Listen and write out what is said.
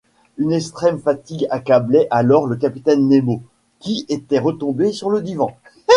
Une extrême fatigue accablait alors le capitaine Nemo, qui était retombé sur le divan.